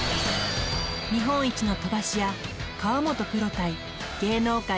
日本一の飛ばし屋河本プロ対芸能界